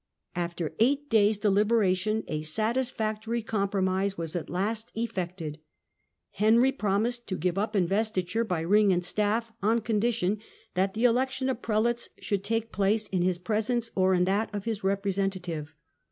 After eight days' deliberation 1122 ^' a satisfactory compromise was at last effected. Henry Concordat promised to give up investiture by ring and staff on con dition that the election of prelates should take place in his presence or in that of his representative.